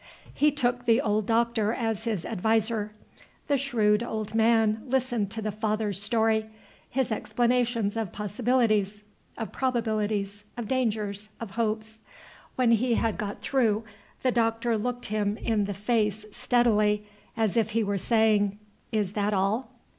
He took the old Doctor as his adviser. The shrewd old man listened to the father's story, his explanations of possibilities, of probabilities, of dangers, of hopes. When he had got through, the Doctor looked him in the face steadily, as if he were saying, Is that all?